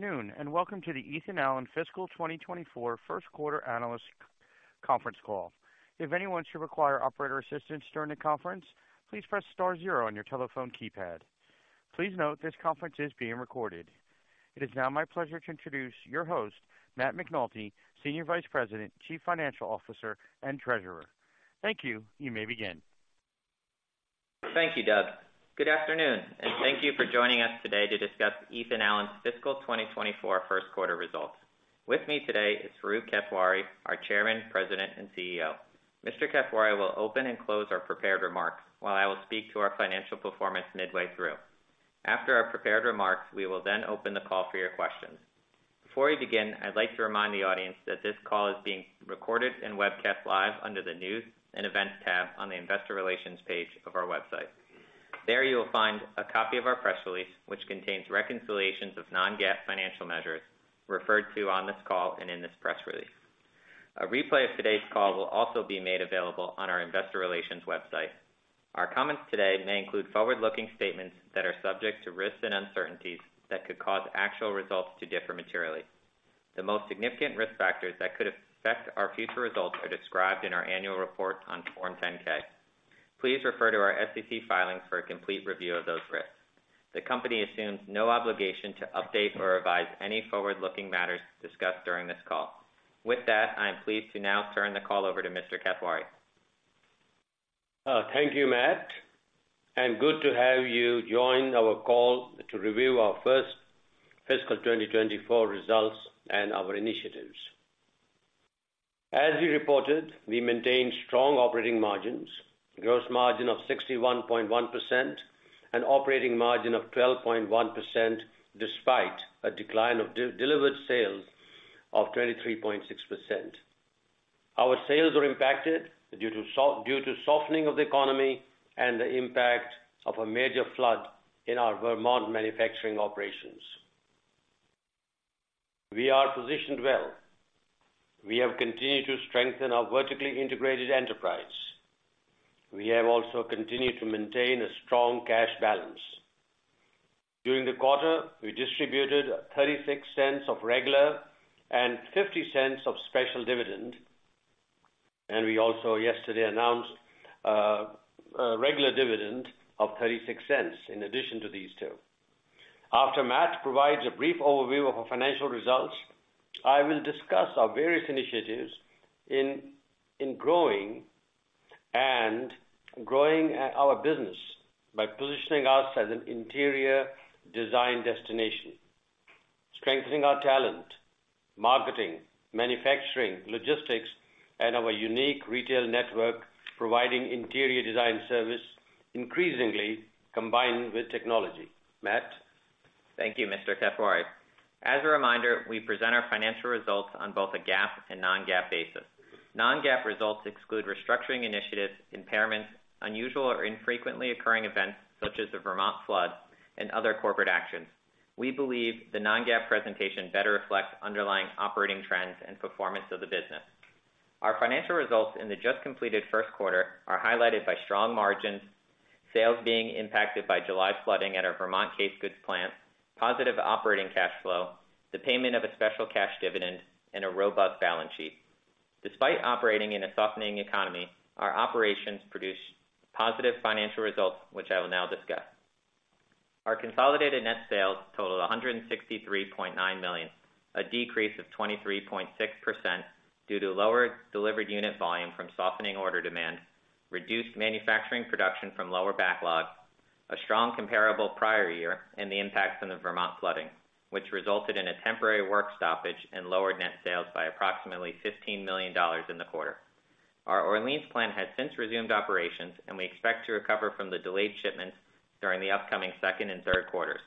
Good afternoon, and welcome to the Ethan Allen Fiscal 2024 First Quarter Analyst Conference Call. If anyone should require operator assistance during the conference, please press star zero on your telephone keypad. Please note, this conference is being recorded. It is now my pleasure to introduce your host, Matt McNulty, Senior Vice President, Chief Financial Officer, and Treasurer. Thank you. You may begin. Thank you, Doug. Good afternoon, and thank you for joining us today to discuss Ethan Allen's fiscal 2024 first quarter results. With me today is Farooq Kathwari, our Chairman, President, and CEO. Mr. Kathwari will open and close our prepared remarks, while I will speak to our financial performance midway through. After our prepared remarks, we will then open the call for your questions. Before we begin, I'd like to remind the audience that this call is being recorded and webcast live under the News and Events tab on the Investor Relations page of our website. There, you will find a copy of our press release, which contains reconciliations of Non-GAAP financial measures referred to on this call and in this press release. A replay of today's call will also be made available on our investor relations website. Our comments today may include forward-looking statements that are subject to risks and uncertainties that could cause actual results to differ materially. The most significant risk factors that could affect our future results are described in our annual report on Form 10-K. Please refer to our SEC filings for a complete review of those risks. The company assumes no obligation to update or revise any forward-looking matters discussed during this call. With that, I am pleased to now turn the call over to Mr. Kathwari. Thank you, Matt, and good to have you join our call to review our first fiscal 2024 results and our initiatives. As we reported, we maintained strong operating margins, gross margin of 61.1% and operating margin of 12.1%, despite a decline of delivered sales of 23.6%. Our sales were impacted due to softening of the economy and the impact of a major flood in our Vermont manufacturing operations. We are positioned well. We have continued to strengthen our vertically integrated enterprise. We have also continued to maintain a strong cash balance. During the quarter, we distributed $0.36 of regular and $0.50 of special dividend, and we also yesterday announced a regular dividend of $0.36 in addition to these two. After Matt provides a brief overview of our financial results, I will discuss our various initiatives in growing our business by positioning us as an Interior Design Destination, strengthening our talent, marketing, manufacturing, logistics, and our unique retail network, providing interior design service, increasingly combined with technology. Matt? Thank you, Mr. Kathwari. As a reminder, we present our financial results on both a GAAP and Non-GAAP basis. Non-GAAP results exclude restructuring initiatives, impairments, unusual or infrequently occurring events, such as the Vermont flood and other corporate actions. We believe the Non-GAAP presentation better reflects underlying operating trends and performance of the business. Our financial results in the just completed first quarter are highlighted by strong margins, sales being impacted by July flooding at our Vermont case goods plant, positive operating cash flow, the payment of a special cash dividend, and a robust balance sheet. Despite operating in a softening economy, our operations produced positive financial results, which I will now discuss. Our consolidated net sales totaled $163.9 million, a decrease of 23.6% due to lower delivered unit volume from softening order demand, reduced manufacturing production from lower backlog, a strong comparable prior year, and the impacts from the Vermont flooding, which resulted in a temporary work stoppage and lowered net sales by approximately $15 million in the quarter. Our Orleans plant has since resumed operations, and we expect to recover from the delayed shipments during the upcoming second and third quarters.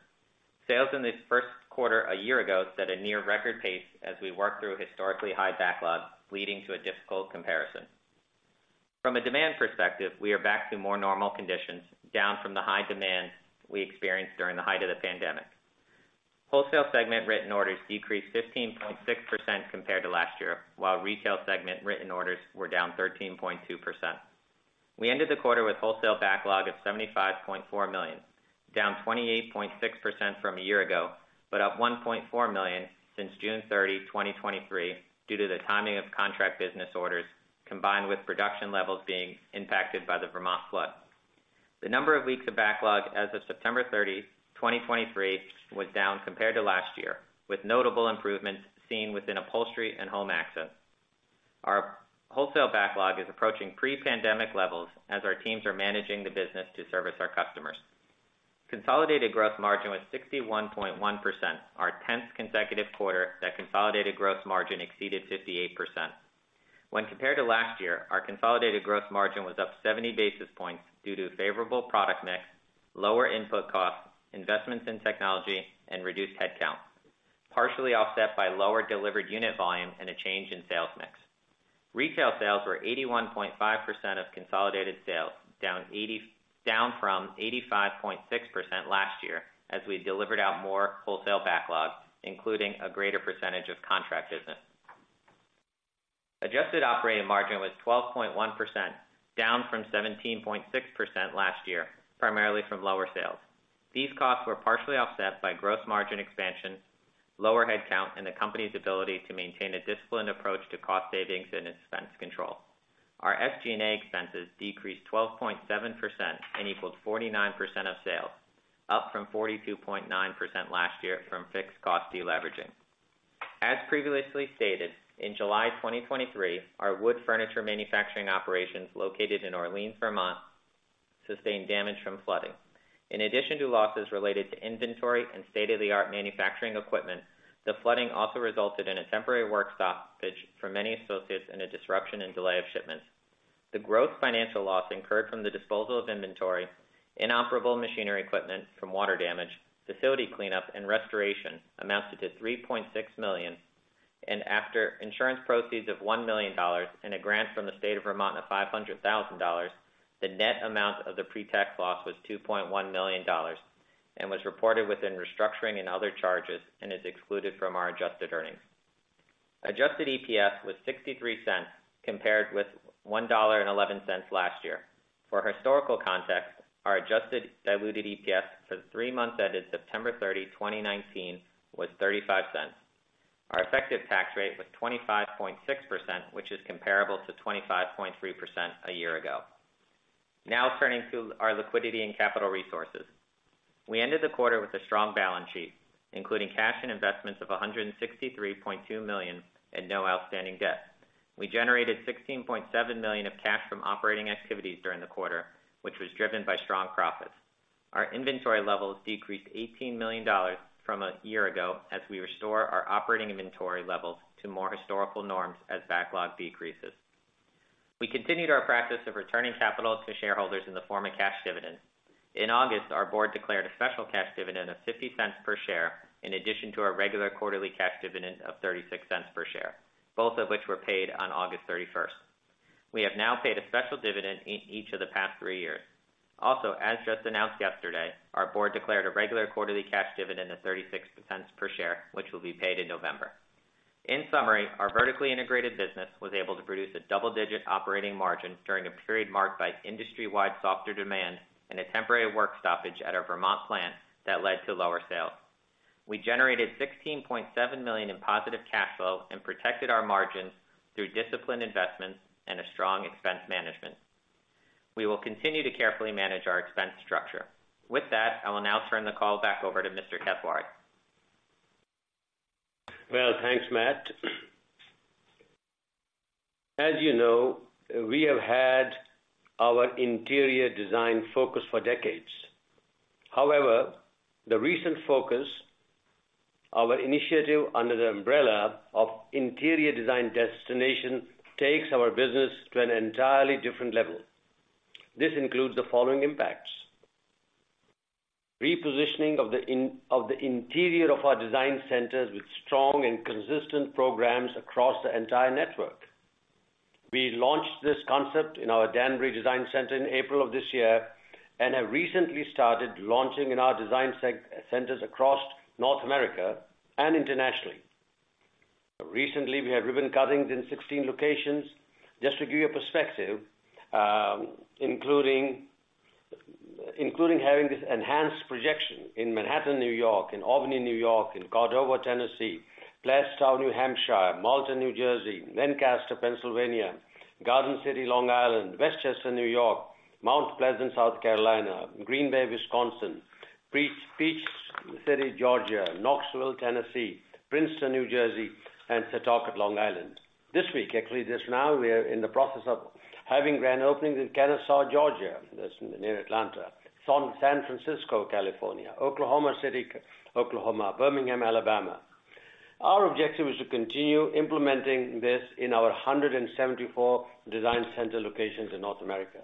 Sales in this first quarter a year ago set a near record pace as we worked through historically high backlogs, leading to a difficult comparison. From a demand perspective, we are back to more normal conditions, down from the high demand we experienced during the height of the pandemic. Wholesale segment written orders decreased 15.6% compared to last year, while retail segment written orders were down 13.2%. We ended the quarter with wholesale backlog of $75.4 million, down 28.6% from a year ago, but up $1.4 million since June 30th, 2023, due to the timing of contract business orders, combined with production levels being impacted by the Vermont flood. The number of weeks of backlog as of September 30th, 2023, was down compared to last year, with notable improvements seen within upholstery and home accents. Our wholesale backlog is approaching pre-pandemic levels as our teams are managing the business to service our customers. Consolidated gross margin was 61.1%, our tenth consecutive quarter that consolidated gross margin exceeded 58%. When compared to last year, our consolidated gross margin was up 70 basis points due to favorable product mix, lower input costs, investments in technology, and reduced headcount, partially offset by lower delivered unit volume and a change in sales mix. Retail sales were 81.5% of consolidated sales, down from 85.6% last year, as we delivered out more wholesale backlogs, including a greater percentage of contract business.... Adjusted operating margin was 12.1%, down from 17.6% last year, primarily from lower sales. These costs were partially offset by gross margin expansion, lower headcount, and the company's ability to maintain a disciplined approach to cost savings and expense control. Our SG&A expenses decreased 12.7% and equaled 49% of sales, up from 42.9% last year from fixed cost deleveraging. As previously stated, in July 2023, our wood furniture manufacturing operations located in Orleans, Vermont, sustained damage from flooding. In addition to losses related to inventory and state-of-the-art manufacturing equipment, the flooding also resulted in a temporary work stoppage for many associates and a disruption and delay of shipments. The growth financial loss incurred from the disposal of inventory, inoperable machinery equipment from water damage, facility cleanup, and restoration amounted to $3.6 million, and after insurance proceeds of $1 million and a grant from the state of Vermont of $500,000, the net amount of the pre-tax loss was $2.1 million, and was reported within restructuring and other charges, and is excluded from our adjusted earnings. Adjusted EPS was $0.63, compared with $1.11 last year. For historical context, our adjusted diluted EPS for the three months ended September 30th, 2019, was $0.35. Our effective tax rate was 25.6%, which is comparable to 25.3% a year ago. Now turning to our liquidity and capital resources. We ended the quarter with a strong balance sheet, including cash and investments of $163.2 million, and no outstanding debt. We generated $16.7 million of cash from operating activities during the quarter, which was driven by strong profits. Our inventory levels decreased $18 million from a year ago, as we restore our operating inventory levels to more historical norms as backlog decreases. We continued our practice of returning capital to shareholders in the form of cash dividends. In August, our board declared a special cash dividend of $0.50 per share, in addition to our regular quarterly cash dividend of $0.36 per share, both of which were paid on August 31st. We have now paid a special dividend in each of the past three years. Also, as just announced yesterday, our board declared a regular quarterly cash dividend of $0.36 per share, which will be paid in November. In summary, our vertically integrated business was able to produce a double-digit operating margin during a period marked by industry-wide softer demand and a temporary work stoppage at our Vermont plant that led to lower sales. We generated $16.7 million in positive cash flow and protected our margins through disciplined investments and a strong expense management. We will continue to carefully manage our expense structure. With that, I will now turn the call back over to Mr. Kathwari. Well, thanks, Matt. As you know, we have had our interior design focus for decades. However, the recent focus, our initiative under the umbrella of Interior Design Destination, takes our business to an entirely different level. This includes the following impacts: repositioning of the interior of our design centers with strong and consistent programs across the entire network. We launched this concept in our Danbury Design Center in April of this year, and have recently started launching in our design centers across North America and internationally. Recently, we had ribbon cuttings in 16 locations. Just to give you a perspective, including, including having this enhanced projection in Manhattan, New York, in Albany, New York, in Cordova, Tennessee, Plaistow, New Hampshire, Marlton, New Jersey, Lancaster, Pennsylvania, Garden City, Long Island, Westchester, New York, Mount Pleasant, South Carolina, Green Bay, Wisconsin, Peachtree City, Georgia, Knoxville, Tennessee, Princeton, New Jersey, and Setauket, Long Island. This week, actually, just now, we are in the process of having grand openings in Kennesaw, Georgia, that's near Atlanta, San Francisco, California, Oklahoma City, Oklahoma, Birmingham, Alabama. Our objective is to continue implementing this in our 174 design center locations in North America.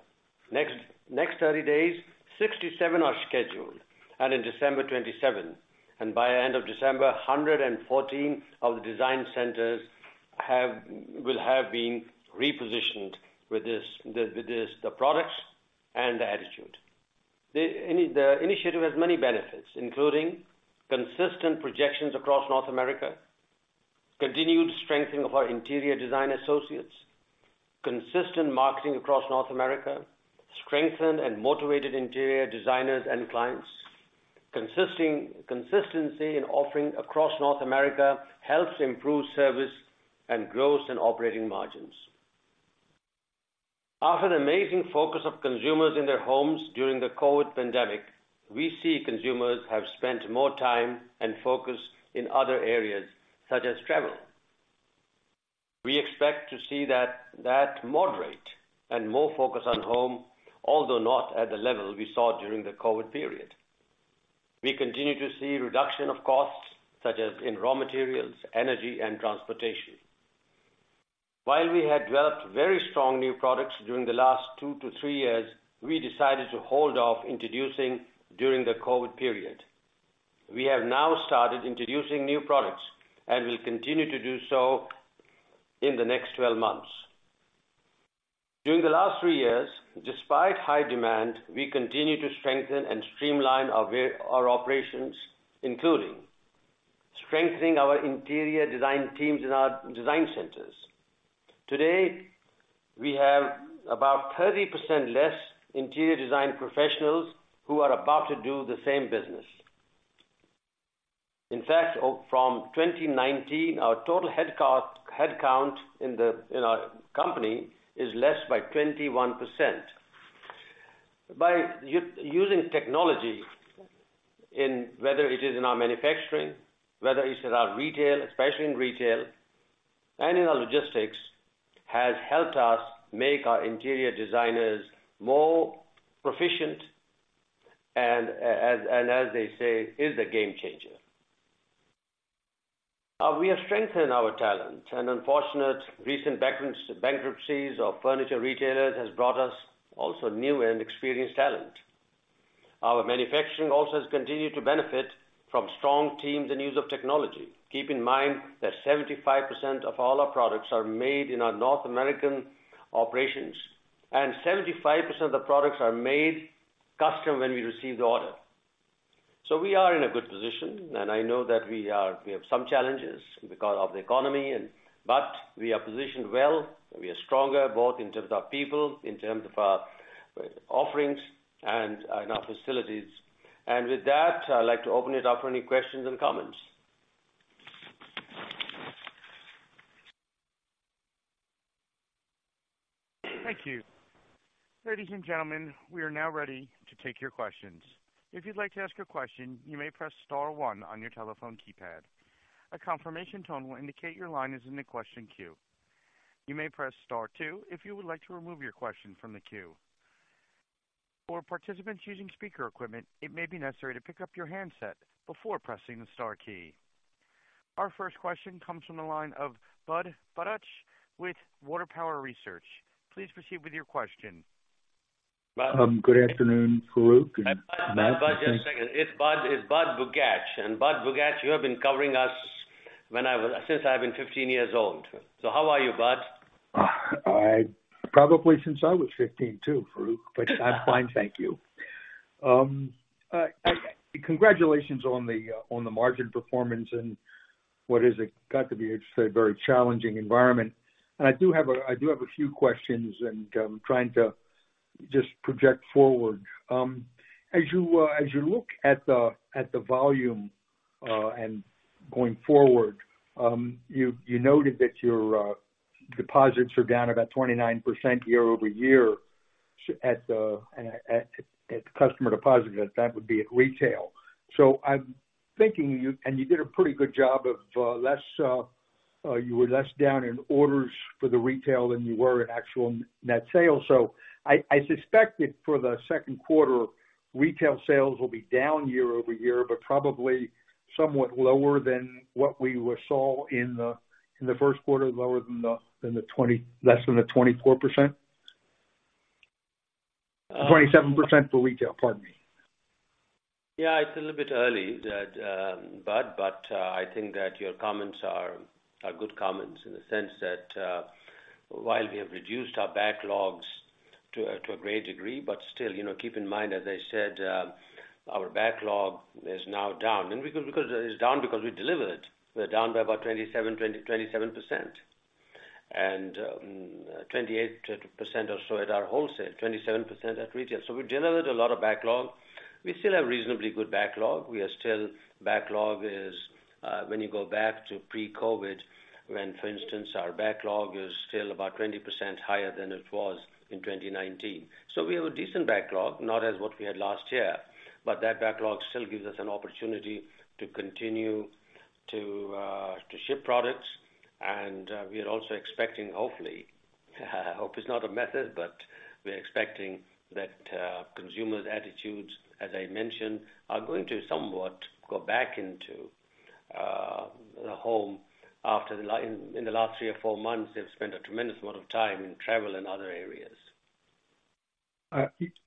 Next thirty days, 67 design centers are scheduled, and in December, 27th. By end of December, 114 of the design centers will have been repositioned with this, the products and the attitude. The initiative has many benefits, including consistent projections across North America, continued strengthening of our interior design associates, consistent marketing across North America, strengthened and motivated interior designers and clients. Consistency in offering across North America helps improve service and gross and operating margins. After an amazing focus of consumers in their homes during the COVID pandemic, we see consumers have spent more time and focus in other areas, such as travel. We expect to see that moderate and more focus on home, although not at the level we saw during the COVID period. We continue to see reduction of costs, such as in raw materials, energy, and transportation. While we had developed very strong new products during the last 2-3 years, we decided to hold off introducing during the COVID period. We have now started introducing new products and will continue to do so in the next 12 months. During the last three years, despite high demand, we continued to strengthen and streamline our operations, including strengthening our interior design teams in our design centers. Today, we have about 30% less interior design professionals who are about to do the same business. In fact, from 2019, our total headcount in our company is less by 21%. By using technology, whether it is in our manufacturing, whether it's in our retail, especially in retail, and in our logistics, has helped us make our interior designers more proficient, and as they say, is the game changer. We have strengthened our talent, and unfortunate recent bankruptcies of furniture retailers has brought us also new and experienced talent. Our manufacturing also has continued to benefit from strong teams and use of technology. Keep in mind that 75% of all our products are made in our North American operations, and 75% of the products are made custom when we receive the order. So we are in a good position, and I know that we are, we have some challenges because of the economy and... But we are positioned well, we are stronger, both in terms of people, in terms of our, offerings and, in our facilities. And with that, I'd like to open it up for any questions and comments. Thank you. Ladies and gentlemen, we are now ready to take your questions. If you'd like to ask a question, you may press star one on your telephone keypad. A confirmation tone will indicate your line is in the question queue. You may press star two if you would like to remove your question from the queue. For participants using speaker equipment, it may be necessary to pick up your handset before pressing the star key. Our first question comes from the line of Budd Bugatch with Water Tower Research. Please proceed with your question. Good afternoon, Farooq and Matt. Bud, just a second. It's Bud, it's Budd Bugatch. And Budd Bugatch, you have been covering us since I was 15 years old. So how are you, Bud? Probably since I was 15, too, Farooq, but I'm fine, thank you. Congratulations on the margin performance and what is it? Got to be, it's a very challenging environment. I do have a few questions, and trying to just project forward. As you look at the volume and going forward, you noted that your deposits are down about 29% year-over-year at the customer deposit, that would be at retail. So I'm thinking you and you did a pretty good job of less down in orders for the retail than you were in actual net sales. So I suspect that for the second quarter, retail sales will be down year-over-year, but probably somewhat lower than what we saw in the first quarter, less than the 24%. 27% for retail, pardon me. Yeah, it's a little bit early that, Bud, but I think that your comments are good comments in the sense that while we have reduced our backlogs to a great degree, but still, you know, keep in mind, as I said, our backlog is now down. And because it's down, because we delivered. We're down by about 27, 27%. And 28% or so at our wholesale, 27% at retail. So we delivered a lot of backlog. We still have reasonably good backlog. We are still... Backlog is when you go back to pre-COVID, when, for instance, our backlog is still about 20% higher than it was in 2019. So we have a decent backlog, not as what we had last year, but that backlog still gives us an opportunity to continue to ship products. And, we are also expecting, hopefully, hope is not a method, but we're expecting that, consumers' attitudes, as I mentioned, are going to somewhat go back into the home after the last three or four months, they've spent a tremendous amount of time in travel and other areas.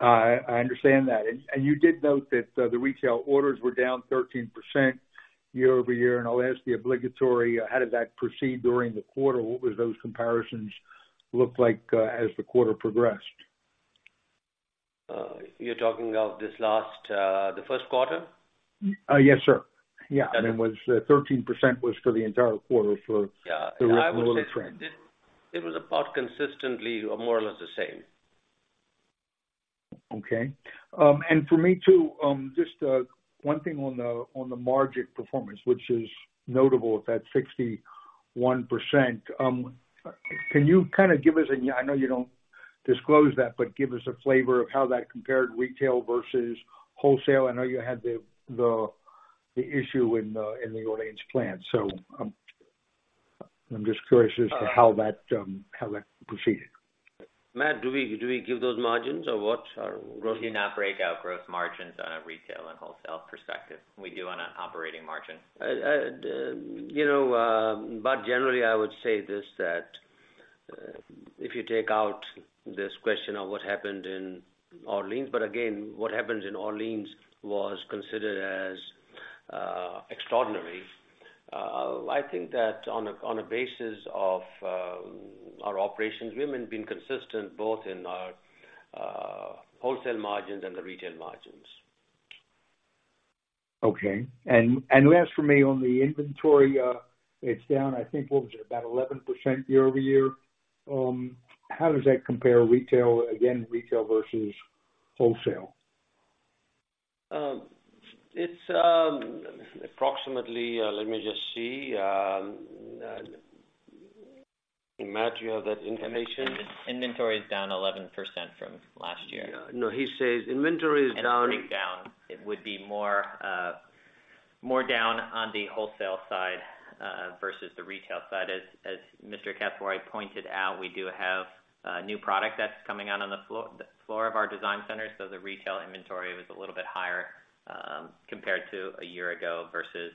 I understand that. You did note that the retail orders were down 13% year-over-year, and I'll ask the obligatory: How did that proceed during the quarter? What was those comparisons look like as the quarter progressed? You're talking of this last, the first quarter? Yes, sir. Yeah, and it was, 13% was for the entire quarter for- Yeah. The rolling trend. It was about consistently more or less the same. Okay. And for me, too, just one thing on the margin performance, which is notable at that 61%. Can you kind of give us a... I know you don't disclose that, but give us a flavor of how that compared retail versus wholesale. I know you had the issue in the Orleans plant, so I'm just curious as to how that proceeded. Matt, do we, do we give those margins or what? Or- We do not break out gross margins on a retail and wholesale perspective. We do on an operating margin. You know, Budd, generally, I would say this, that if you take out this question of what happened in Orleans, but again, what happened in Orleans was considered extraordinary. I think that on a basis of our operations, we've been consistent both in our wholesale margins and the retail margins. Okay. And last for me on the inventory, it's down, I think, what was it? About 11% year-over-year. How does that compare retail, again, retail versus wholesale? It's approximately, let me just see, Matt. Do you have that information? Inventory is down 11% from last year. No, he says inventory is down- Down. It would be more down on the wholesale side versus the retail side. As Mr. Kathwari pointed out, we do have new product that's coming out on the floor of our design center, so the retail inventory was a little bit higher compared to a year ago, versus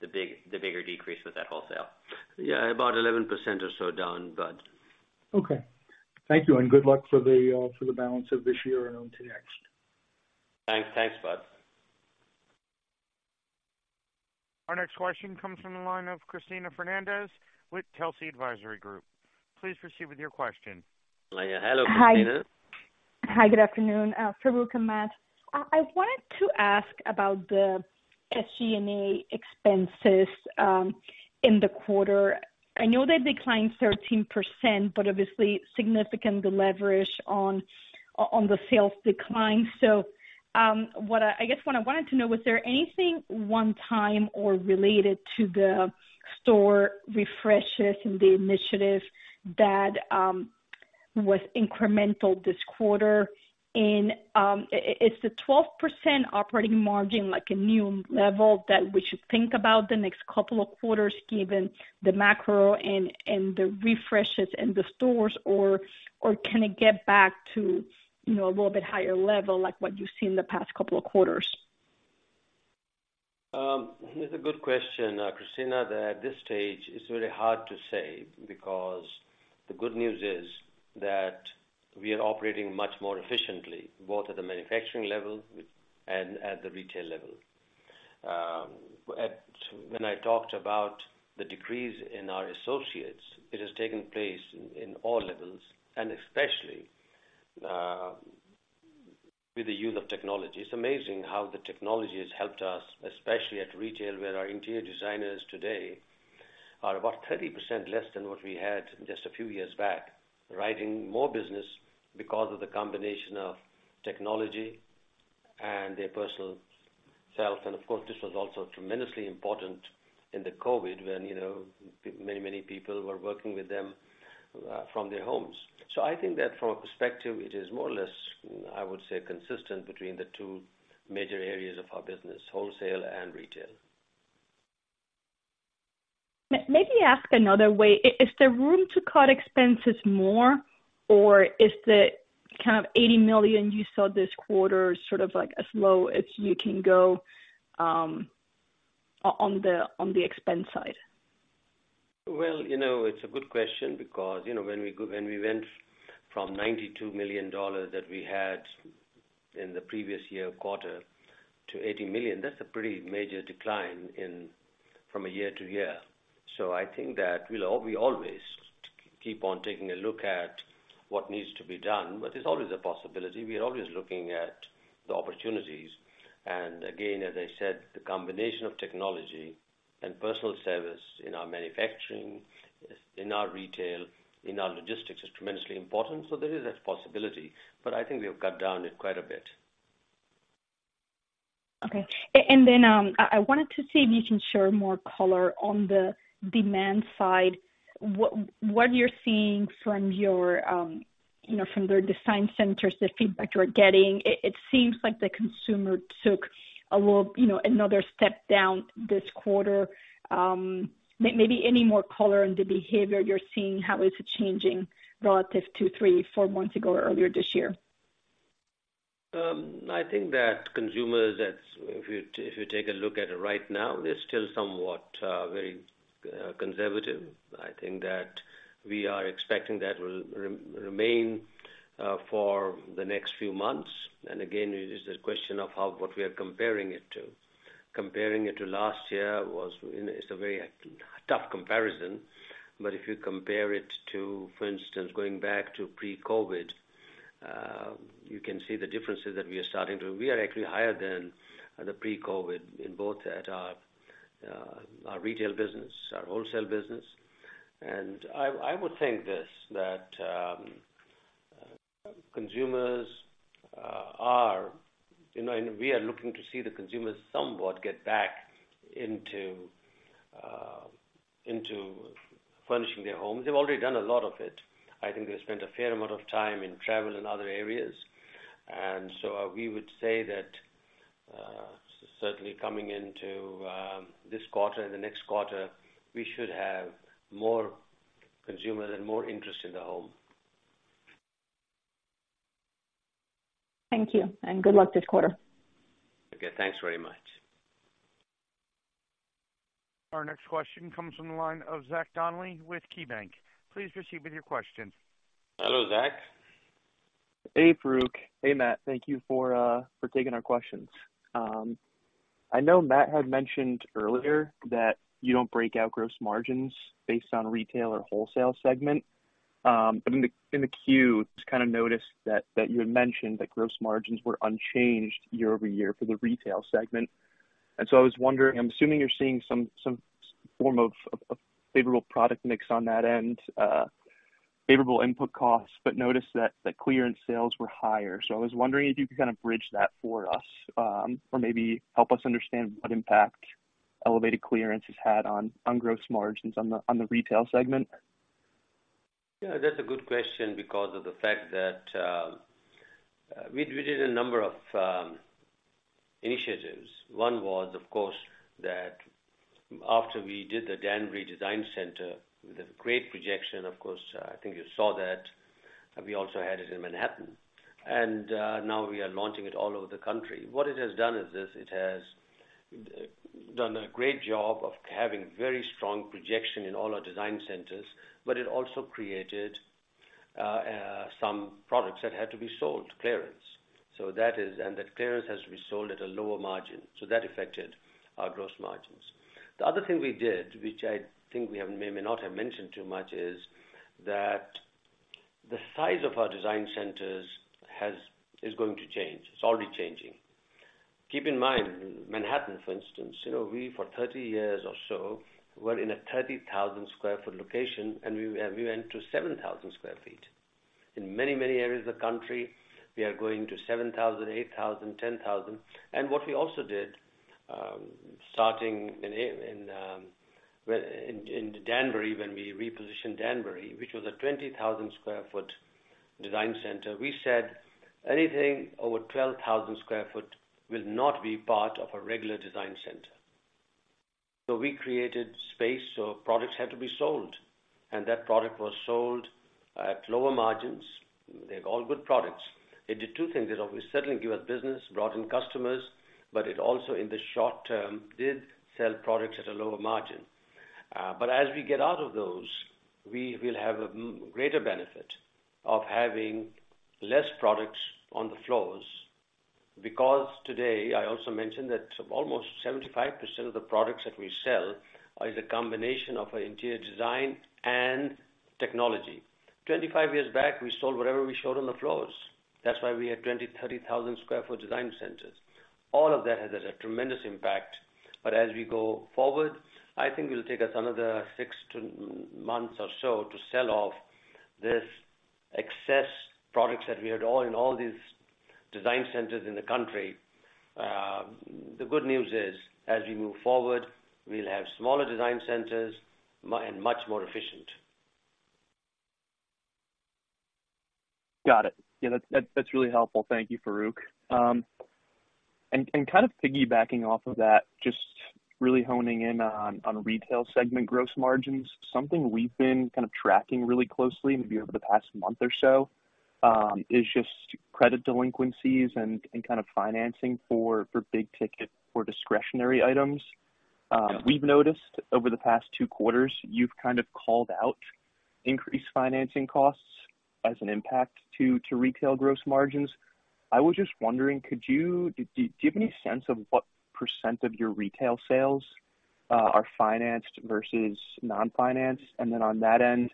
the bigger decrease with that wholesale. Yeah, about 11% or so down, but... Okay. Thank you, and good luck for the balance of this year and into next. Thanks. Thanks, Bud. Our next question comes from the line of Cristina Fernández with Telsey Advisory Group. Please proceed with your question. Hello, Cristina. Hi. Hi, good afternoon, Farooq and Matt. I wanted to ask about the SG&A expenses in the quarter. I know they declined 13%, but obviously significant leverage on the sales decline. So, I guess, what I wanted to know, was there anything one-time or related to the store refreshes and the initiative that was incremental this quarter? Is the 12% operating margin like a new level that we should think about the next couple of quarters, given the macro and the refreshes in the stores, or can it get back to, you know, a little bit higher level, like what you've seen in the past couple of quarters? It's a good question, Cristina. At this stage, it's really hard to say, because the good news is that we are operating much more efficiently, both at the manufacturing level and at the retail level. When I talked about the decrease in our associates, it has taken place in all levels, and especially with the use of technology. It's amazing how the technology has helped us, especially at retail, where our interior designers today are about 30% less than what we had just a few years back, writing more business because of the combination of technology and their personal self. And of course, this was also tremendously important in the COVID, when, you know, many, many people were working with them from their homes. I think that from a perspective, it is more or less, I would say, consistent between the two major areas of our business, wholesale and retail. Maybe ask another way. Is there room to cut expenses more, or is the kind of $80 million you saw this quarter, sort of, like, as low as you can go, on the expense side? Well, you know, it's a good question, because, you know, When we went from $92 million that we had in the previous year quarter to $80 million, that's a pretty major decline in, from a year to year. So I think that we'll always keep on taking a look at what needs to be done, but there's always a possibility. We are always looking at the opportunities, and again, as I said, the combination of technology and personal service in our manufacturing, in our retail, in our logistics, is tremendously important. So there is a possibility, but I think we have cut down quite a bit. Okay. And then, I wanted to see if you can share more color on the demand side. What you're seeing from your, you know, from the design centers, the feedback you're getting, it seems like the consumer took a little, you know, another step down this quarter. Maybe any more color on the behavior you're seeing, how is it changing relative to three, four months ago or earlier this year? I think that consumers, that's, if you, if you take a look at it right now, they're still somewhat very conservative. I think that we are expecting that will remain for the next few months. And again, it is a question of how, what we are comparing it to. Comparing it to last year was, you know, it's a very tough comparison, but if you compare it to, for instance, going back to pre-COVID, you can see the differences that we are starting to... We are actually higher than the pre-COVID in both at our, our retail business, our wholesale business. And I, I would think this, that, consumers, are, you know, and we are looking to see the consumers somewhat get back into, into furnishing their homes. They've already done a lot of it. I think they spent a fair amount of time in travel and other areas, and so we would say that, certainly coming into this quarter and the next quarter, we should have more consumers and more interest in the home. Thank you, and good luck this quarter. Okay, thanks very much. ...Our next question comes from the line of Zach Donnelly with KeyBanc. Please proceed with your question. Hello, Zach. Hey, Farooq. Hey, Matt. Thank you for taking our questions. I know Matt had mentioned earlier that you don't break out gross margins based on retail or wholesale segment. But in the queue, just kind of noticed that you had mentioned that gross margins were unchanged year-over-year for the retail segment. And so I was wondering, I'm assuming you're seeing some form of favorable product mix on that end, favorable input costs, but noticed that clearance sales were higher. So I was wondering if you could kind of bridge that for us, or maybe help us understand what impact elevated clearance has had on gross margins on the retail segment. Yeah, that's a good question because of the fact that we did a number of initiatives. One was, of course, that after we did the Danbury Design Center with a great projection, of course, I think you saw that, we also had it in Manhattan, and now we are launching it all over the country. What it has done is this, it has done a great job of having very strong projection in all our design centers, but it also created some products that had to be sold to clearance. So that is, and that clearance has to be sold at a lower margin, so that affected our gross margins. The other thing we did, which I think we have may not have mentioned too much, is that the size of our design centers has is going to change. It's already changing. Keep in mind, Manhattan, for instance, you know, we for 30 years or so were in a 30,000 sq ft location, and we went to 7,000 sq ft. In many, many areas of the country, we are going to 7,000 sq ft, 8,000 sq ft, 10,000 sq ft. What we also did, starting in Danbury, when we repositioned Danbury, which was a 20,000 sq ft design center, we said anything over 12,000 sq ft will not be part of a regular design center. We created space, so products had to be sold, and that product was sold at lower margins. They're all good products. It did two things. It obviously certainly gave us business, brought in customers, but it also in the short term did sell products at a lower margin. As we get out of those, we will have a greater benefit of having less products on the floors, because today, I also mentioned that almost 75% of the products that we sell is a combination of our interior design and technology. 25 years back, we sold whatever we showed on the floors. That's why we had 20,000 sq ft-30,000 sq ft design centers. All of that has a tremendous impact. As we go forward, I think it will take us another six to months or so to sell off this excess products that we had all in all these design centers in the country. The good news is, as we move forward, we'll have smaller design centers and much more efficient. Got it. Yeah, that, that's really helpful. Thank you, Farooq. And kind of piggybacking off of that, just really honing in on retail segment gross margins, something we've been kind of tracking really closely, maybe over the past month or so, is just credit delinquencies and kind of financing for big ticket or discretionary items. Yeah. We've noticed over the past two quarters, you've kind of called out increased financing costs as an impact to retail gross margins. I was just wondering, could you have any sense of what % of your retail sales are financed versus non-finance? And then on that end,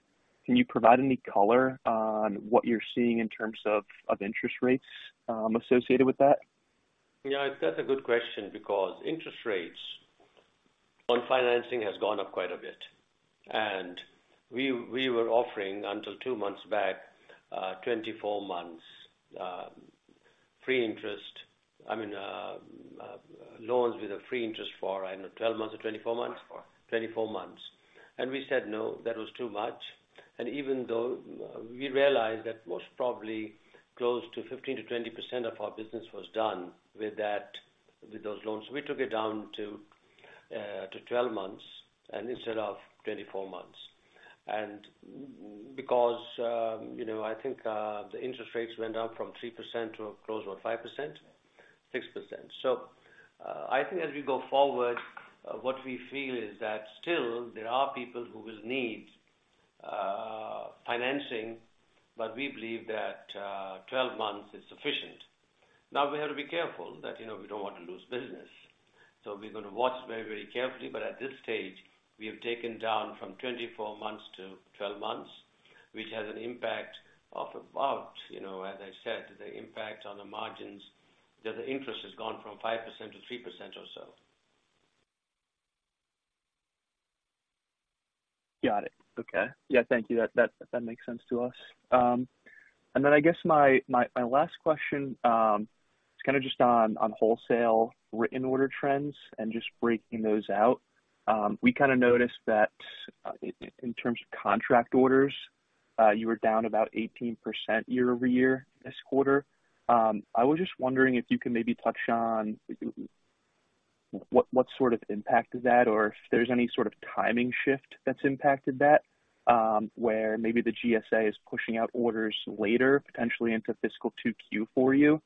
can you provide any color on what you're seeing in terms of interest rates associated with that? Yeah, that's a good question, because interest rates on financing has gone up quite a bit. And we were offering, until two months back, 24 months, free interest. I mean, loans with a free interest for, I don't know, 12 months or 24 months? Twenty-four. 24 months. We said, "No, that was too much." Even though we realized that most probably close to 15%-20% of our business was done with that, with those loans, we took it down to 12 months instead of 24 months. Because, you know, I think the interest rates went up from 3% to close to 5%, 6%. So, I think as we go forward, what we feel is that still there are people who will need financing, but we believe that 12 months is sufficient. Now, we have to be careful that, you know, we don't want to lose business, so we're going to watch very, very carefully. At this stage, we have taken down from 24 months to 12 months, which has an impact of about, you know, as I said, the impact on the margins, that the interest has gone from 5%-3% or so. Got it. Okay. Yeah, thank you. That makes sense to us. And then I guess my last question is kind of just on wholesale written order trends and just breaking those out. We kind of noticed that in terms of contract orders, you were down about 18% year-over-year this quarter. I was just wondering if you could maybe touch on what sort of impact is that, or if there's any sort of timing shift that's impacted that, where maybe the GSA is pushing out orders later, potentially into fiscal 2Q for you?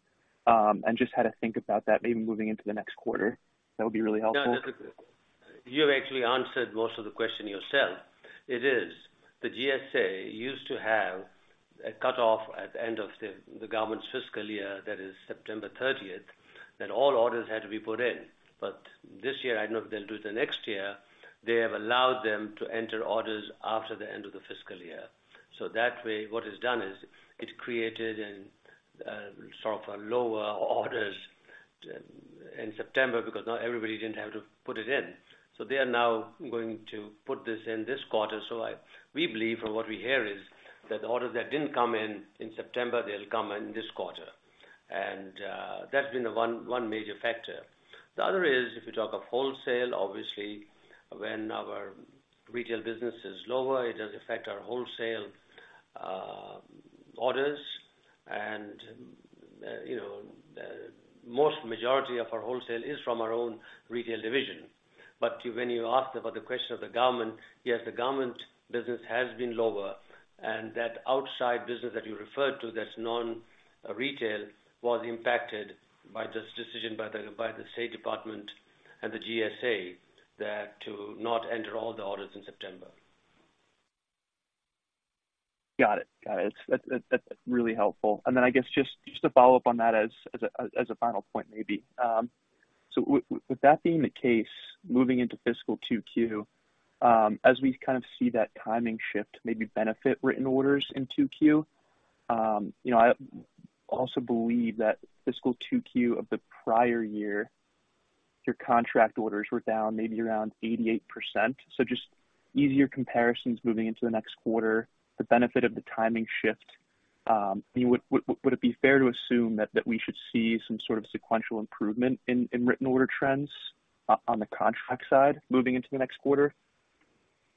And just how to think about that maybe moving into the next quarter, that would be really helpful. You actually answered most of the question yourself. It is, the GSA used to have a cutoff at the end of the government's fiscal year, that is September thirtieth, that all orders had to be put in. But this year, I don't know if they'll do it the next year, they have allowed them to enter orders after the end of the fiscal year. So that way, what is done is, it created an sort of a lower orders in September, because now everybody didn't have to put it in. So they are now going to put this in this quarter. So we believe, from what we hear, is that the orders that didn't come in in September, they'll come in this quarter. And that's been the one, one major factor. The other is, if you talk of wholesale, obviously, when our retail business is lower, it does affect our wholesale, orders. And, you know, most majority of our wholesale is from our own retail division. But when you ask about the question of the government, yes, the government business has been lower, and that outside business that you referred to, that's non-retail, was impacted by this decision by the State Department and the GSA, that to not enter all the orders in September. Got it. Got it. That's really helpful. And then I guess just to follow up on that as a final point, maybe. So with that being the case, moving into fiscal 2Q, as we kind of see that timing shift, maybe benefit written orders in 2Q, you know, I also believe that fiscal 2Q of the prior year, your contract orders were down maybe around 88%. So just easier comparisons moving into the next quarter, the benefit of the timing shift, would it be fair to assume that we should see some sort of sequential improvement in written order trends on the contract side moving into the next quarter? Yeah,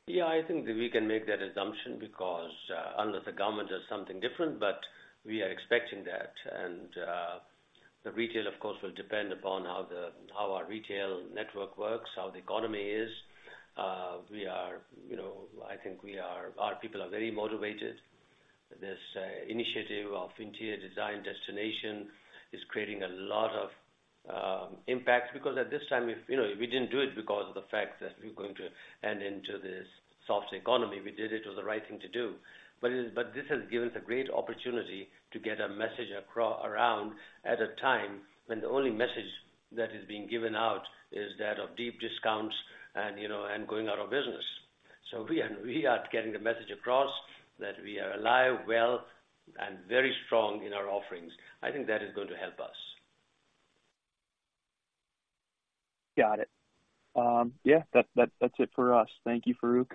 I think that we can make that assumption because unless the government does something different, but we are expecting that. And the retail, of course, will depend upon how our retail network works, how the economy is. We are, you know, I think we are, our people are very motivated. This initiative of Interior Design Destination is creating a lot of impact because at this time, if you know, we didn't do it because of the fact that we're going to end into this soft economy, we did it, it was the right thing to do. But it, but this has given us a great opportunity to get our message across at a time when the only message that is being given out is that of deep discounts and, you know, and going out of business. So we are getting the message across that we are alive, well, and very strong in our offerings. I think that is going to help us. Got it. Yeah, that's it for us. Thank you, Farooq.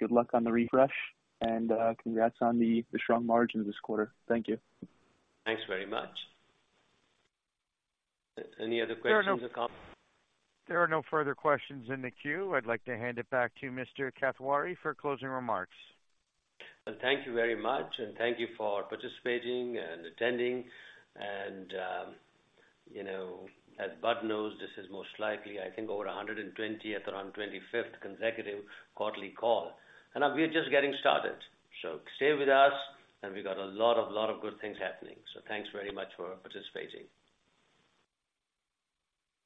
Good luck on the refresh, and congrats on the strong margins this quarter. Thank you. Thanks very much. Any other questions or comments? There are no further questions in the queue. I'd like to hand it back to Mr. Kathwari for closing remarks. Well, thank you very much, and thank you for participating and attending. You know, as Bud knows, this is most likely, I think, over 120th consecutive quarterly or 125th consecutive quarterly call, and we're just getting started. So stay with us, and we got a lot of, lot of good things happening. So thanks very much for participating.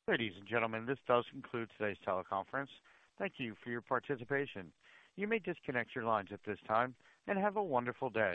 Ladies and gentlemen, this does conclude today's teleconference. Thank you for your participation. You may disconnect your lines at this time, and have a wonderful day.